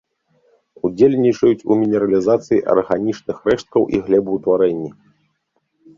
Удзельнічаюць у мінералізацыі арганічных рэшткаў і глебаўтварэнні.